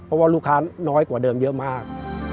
เพราะว่าลูกค้าน้อยกว่าเดิมเยอะมาก